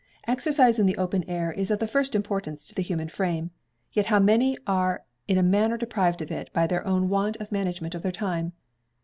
Exercise in the open air is of the first importance to the human frame, yet how many are in a manner deprived of it by their own want of management of their time!